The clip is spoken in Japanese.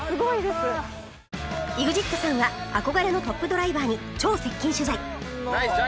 ＥＸＩＴ さんは憧れのトップドライバーに超接近取材！